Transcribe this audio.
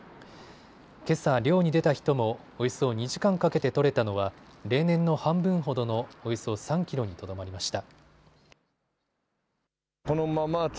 けさ漁に出た人もおよそ２時間かけて取れたのは例年の半分ほどのおよそ３キロにとどまりました。